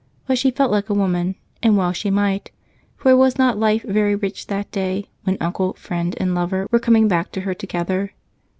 But she felt like a woman and well she might, for was not life very rich that day, when Uncle, friend, and lover were coming back to her together?